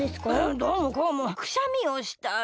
どうもこうもくしゃみをしたら。